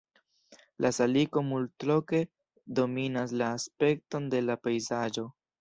La saliko multloke dominas la aspekton de la pejzaĝo.